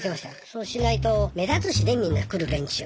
そうしないと目立つしねみんな来る連中が。